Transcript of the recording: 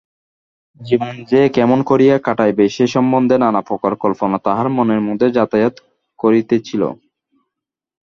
জীবন যে কেমন করিয়া কাটাইবে সে সম্বন্ধে নানাপ্রকার কল্পনা তাহার মনের মধ্যে যাতায়াত করিতেছিল।